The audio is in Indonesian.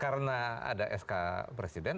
karena ada sk presiden